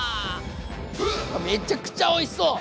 めちゃくちゃおいしそう！